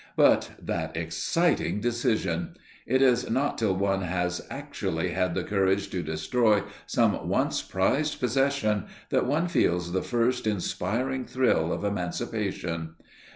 But that exciting decision! It is not till one has actually had the courage to destroy some once prized possession that one feels the first inspiring thrill of emancipation.